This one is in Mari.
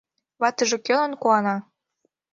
Ватыже кӧлан куана?